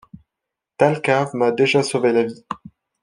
Thalcave m’a déjà sauvé la vie!